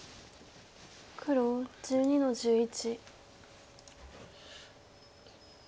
黒１２の十一。